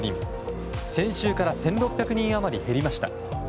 先週から１６００人余り減りました。